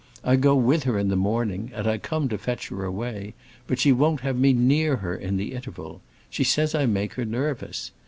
I go with her in the morning, and I come to fetch her away, but she won't have me near her in the interval; she says I make her nervous.